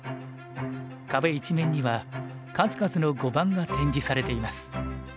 壁一面には数々の碁盤が展示されています。